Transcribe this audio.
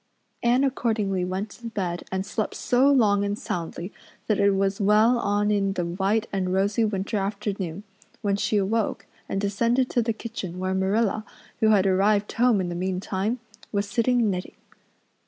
Anne accordingly went to bed and slept so long and soundly that it was well on in the white and rosy winter afternoon when she awoke and descended to the kitchen where Marilla, who had arrived home in the meantime, was sitting knitting.